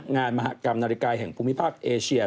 มหากรรมนาฬิกาแห่งภูมิภาคเอเชีย